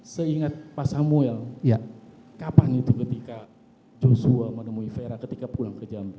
seingat pak samuel kapan itu ketika joshua menemui vera ketika pulang ke jambi